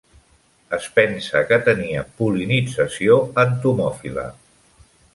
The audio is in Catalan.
Es pensa que tenia pol·linització entomòfila.